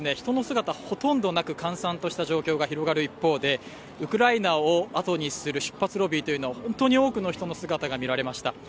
人の姿はほとんどなく閑散とした状況が広がる一方で、ウクライナをあとにする出発ロビーというのは本当に多くの人の姿が見られました。